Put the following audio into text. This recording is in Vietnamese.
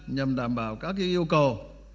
nhằm đảm bảo các yêu cầu